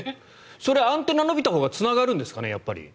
それ、アンテナ伸びたほうがつながるんですかねやっぱり。